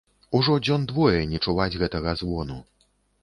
Ужо дзён двое не чуваць гэтага звону.